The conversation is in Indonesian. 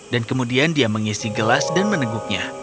dan kemudian dia mengisi gelas dan meneguknya